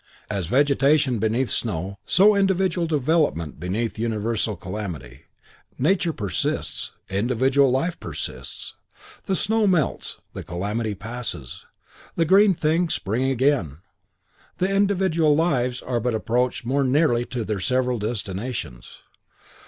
As vegetation beneath snow, so individual development beneath universal calamity. Nature persists; individual life persists. The snow melts, the calamity passes; the green things spring again, the individual lives are but approached more nearly to their several destinations.